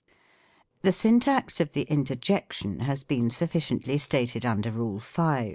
The Syntax of the Interjection has been sufficiently stated under Rule V.